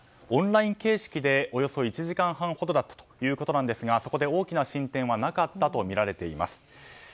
オンライン形式でおよそ１時間半ほどだったということですがそこで大きな進展はなかったとみられています。